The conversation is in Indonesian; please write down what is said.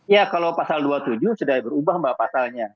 ya kalau pasal dua puluh tujuh sudah berubah mbak pasalnya